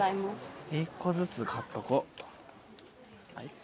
１個ずつ買っとこう。